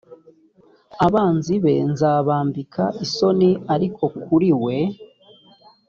abanzi be nzabambika isoni ariko kuri we